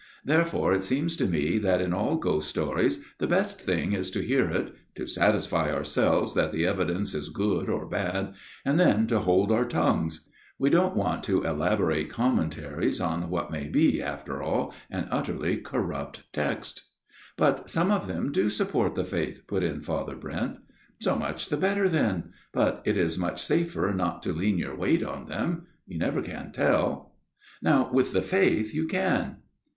Therefore it seems to me that in all ghost stories the best thing is to hear it, to satisfy ourselves that the evidence is good or bad, and then to hold our tongues. We don't want elaborate commentaries on what may be, after all, an utterly corrupt text." " But some of them do support the faith," put in Father Brent. " So much the better then. But it is much safer not to lean your weight on them. You never can tell. Now with the faith you can."